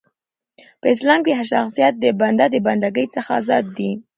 په اسلام کښي هرشخصیت د بنده د بنده ګۍ څخه ازاد دي .